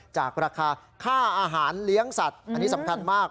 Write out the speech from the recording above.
จากราคาค่าอาหารเลี้ยงสัตว์อันนี้สำคัญมาก